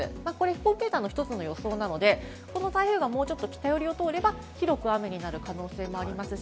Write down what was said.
コンピューターの１つの予想なので、この台風がもうちょっと北寄りを通れば広く雨になる可能性もあります。